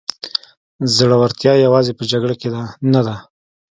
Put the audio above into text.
زړورتیا یوازې په جګړه نه ده.